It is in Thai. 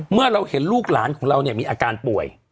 เมื่อเราเห็นลูกหลานของเราเนี่ยมีอาการป่วย